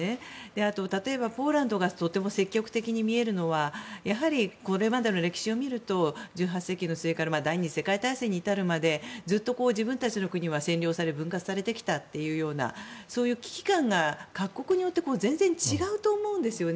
あと、例えばポーランドがとても積極的に見えるのはやはり、これまでの歴史を見ると１８世紀の末から第２次世界大戦に至るまでずっと自分たちの国は占領され分割されてきたというようなそういう危機感が各国によって全然違うと思うんですね。